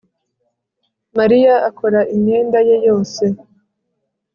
Mariya akora imyenda ye yose